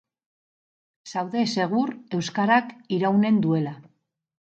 Zaude segur euskarak iraunen duela.